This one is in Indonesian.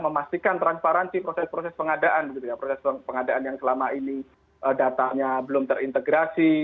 memastikan transparansi proses proses pengadaan proses pengadaan yang selama ini datanya belum terintegrasi